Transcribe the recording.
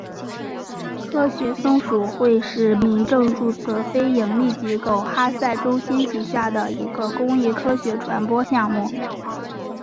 科学松鼠会是民政注册非营利机构哈赛中心旗下的一个公益科学传播项目。